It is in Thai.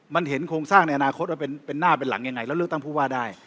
มันเห็นโครงสร้างในอนาคตว่าเป็นหน้าเป็นหลังยังไงแล้วเลือกตั้งผู้ว่าได้